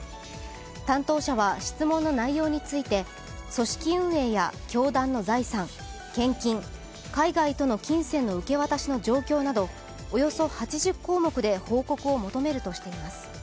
担当者は質問の内容について組織運営や教団の財産、献金、海外との金銭の受け渡しの状況などおよそ８０項目で報告を求めるとしています。